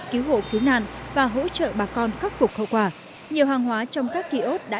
cứu hộ cứu nạn và hỗ trợ bà con khắc phục hậu quả nhiều hàng hóa trong các kiosk đã